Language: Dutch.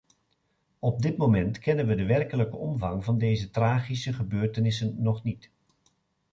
Op dit moment kennen we de werkelijke omvang van deze tragische gebeurtenissen nog niet.